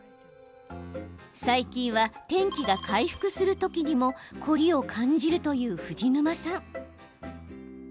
最近は天気が回復する時にも凝りを感じるという藤沼さん。